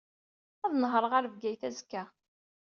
Ad nehṛeɣ ɣer Bgayet azekka.